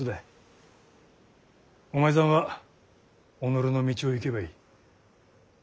お前さんは己の道を行けばいい。